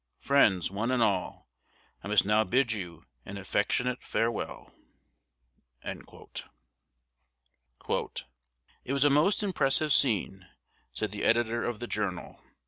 Friends, one and all, I must now bid you an affectionate farewell." "It was a most impressive scene," said the editor of "The Journal."